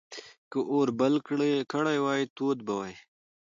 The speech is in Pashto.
که اور بل کړی وای، تود به وای.